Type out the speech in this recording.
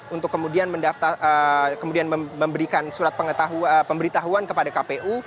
untuk kemudian mendaftar kemudian memberikan surat pemberitahuan kepada kpu